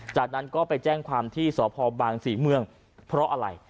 จากนั้นก็ไปแจ้งความที่สพบางศรีเมืองเพราะอะไร